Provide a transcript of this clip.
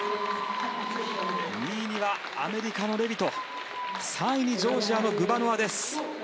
２位にはアメリカのレビト３位にジョージアのグバノワです。